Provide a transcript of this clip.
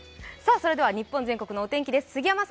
それでは日本全国のお天気です。